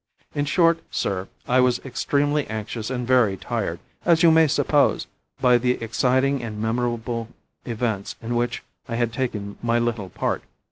In short, sir, I was extremely anxious and very tired, as you may suppose, by the exciting and memorable events in which I had taken my little part.